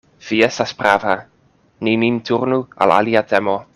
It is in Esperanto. Vi estas prava: ni nin turnu al alia temo.